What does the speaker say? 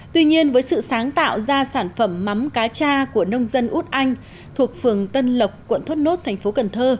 tuy nhiên với sự sáng tạo ra sản phẩm mắm cá cha của nông dân út anh thuộc phường tân lộc quận thốt nốt thành phố cần thơ